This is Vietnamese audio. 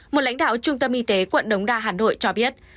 một lãnh đạo trung tâm y tế quận đống đa hà nội cho biết